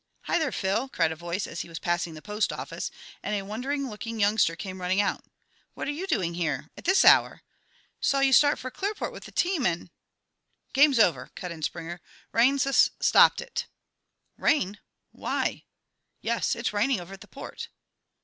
"Hi, there, Phil!" cried a voice as he was passing the postoffice, and a wondering looking youngster came running out. "What are you doing here at this hour? Saw you start for Clearport with the team, and " "Game's over," cut in Springer. "Rain sus stopped it." "Rain? Why " "Yes; it's raining over at the Port."